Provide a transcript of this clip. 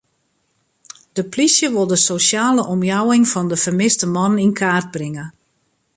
De plysje wol de sosjale omjouwing fan de fermiste man yn kaart bringe.